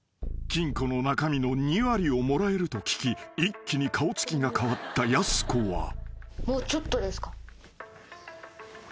［金庫の中身の２割をもらえると聞き一気に顔つきが変わったやす子は］